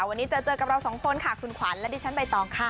วันนี้เจอเจอกับเราสองคนค่ะคุณขวัญและดิฉันใบตองค่ะ